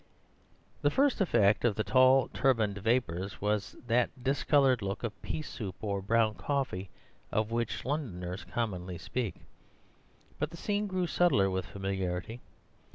"The first effect of the tall turbaned vapours was that discoloured look of pea soup or coffee brown of which Londoners commonly speak. But the scene grew subtler with familiarity.